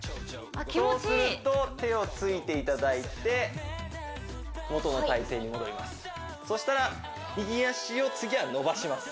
そうすると手をついていただいて元の体勢に戻りますそしたら右足を次は伸ばします